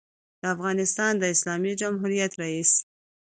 دافغانستان د اسلامي جمهوریت رئیس